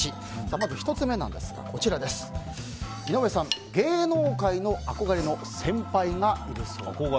まず１つ目、井上さん芸能界の憧れの先輩がいるそうです。